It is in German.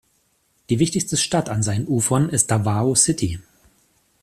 Die wichtigste Stadt an seinen Ufern ist Davao City.